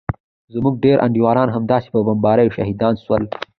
زموږ ډېر انډيوالان همداسې په بمباريو شهيدان سول.